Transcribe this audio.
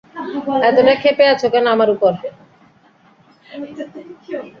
এতটা ক্ষেপে আছো কেন আমার উপর?